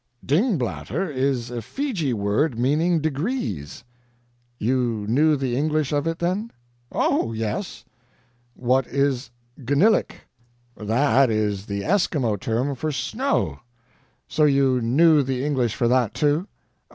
"'DINGBLATTER' is a Fiji word meaning 'degrees.'" "You knew the English of it, then?" "Oh, yes." "What is 'GNILLIC'? "That is the Eskimo term for 'snow.'" "So you knew the English for that, too?"